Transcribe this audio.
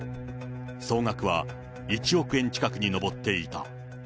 総額は１億円近くに上っていた。